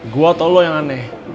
gue atau lo yang aneh